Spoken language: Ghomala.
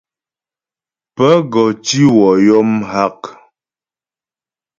Pə́ gɔ tǐ wɔ yɔ mghak.